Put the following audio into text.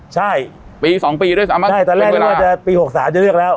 ใช่ปี๒ปีด้วยซ้ำใช่ตอนแรกไม่ว่าจะปี๖๓จะเลือกแล้ว